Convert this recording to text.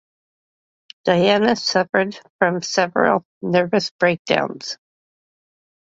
Diana suffered from several nervous breakdowns.